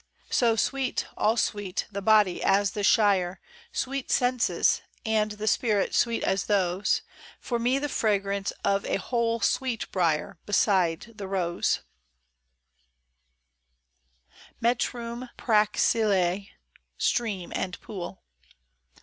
SO sweet, all sweet, — the body as the shyer Sweet seiises, and the Spirit sweet as those ; For me the fragrance of a whole sweet briar. Beside the rose 1 METRUM PRAXILLAE. STREAM AND POOL.